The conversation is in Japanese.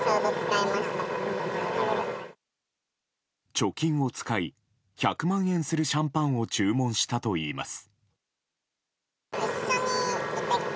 貯金を使い１００万円するシャンパンを注文したといいます。